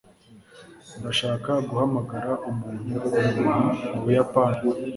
Ndashaka guhamagara umuntu-ku-muntu mu Buyapani.